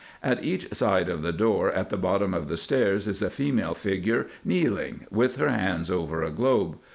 At each side of the door at the bottom of the stairs is a female figure kneeling, with her hands over a globe.